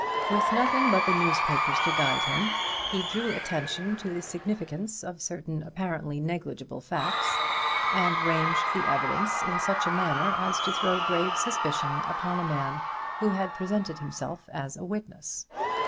With nothing but the newspapers to guide him, he drew attention to the significance of certain apparently negligible facts, and ranged the evidence in such a manner as to throw grave suspicion upon a man who had presented himself as a witness.